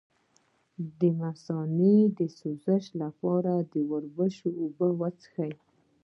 د مثانې د سوزش لپاره د وربشو اوبه وڅښئ